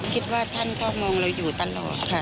คิดว่าท่านก็มองเราอยู่ตลอดค่ะ